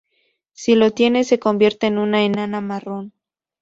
Si lo tiene, se convierte en una enana marrón.